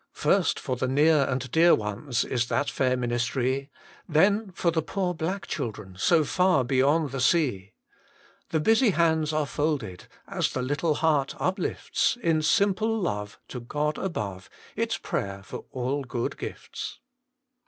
First for the near and dear ones Is that fair ministry, Then for the poor black children, So far beyond the sea. The busy hands are folded, As the little heart uplifts In simple love, To God above, Its prayer for all good gifts.